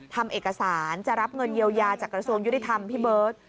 ทำเอกสารจะรับเงินเยียวยาจากกระทรวงยุติธรรมพี่เบิร์ต